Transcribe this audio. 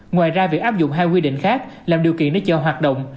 ngoài ra việc áp dụng hai quy định khác làm điều kiện để chợ hoạt động